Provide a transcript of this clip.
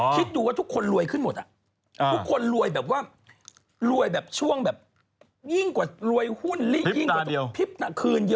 คิดดูว่าทุกคนรวยขึ้นหมด